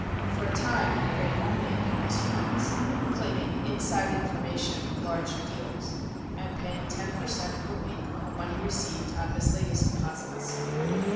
For a time he preyed only upon his friends, claiming "inside information" of large "deals" and paying ten per cent. per week on the money received out of his latest deposits.